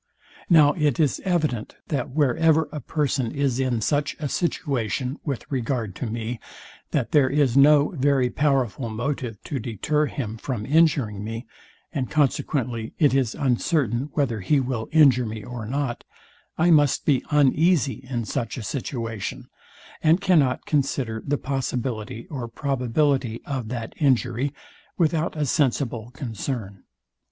Now it is evident, that wherever a person is in such a situation with regard to me, that there is no very powerful motive to deter him from injuring me, and consequently it is uncertain whether he will injure me or not, I must be uneasy in such a situation, and cannot consider the possibility or probability of that injury without a sensible concern.